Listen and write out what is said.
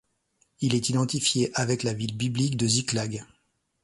Il est identifié avec la ville biblique de Ziklag.